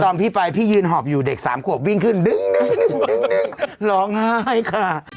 พี่ไปพี่ยืนหอบอยู่เด็กสามขวบวิ่งขึ้นดึงร้องไห้ค่ะ